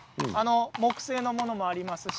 木製のものもありますし